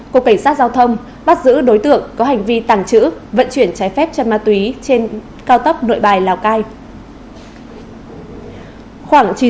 của cảnh sát giao thông bắt giữ đối tượng có hành vi tàng trữ vận chuyển trái phép chân ma túy trên cao tốc nội bài lào cai